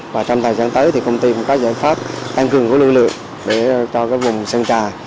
và trong thời gian tới thì công ty cũng có giải pháp tăng cường của lưu lượng để cho vùng sơn trà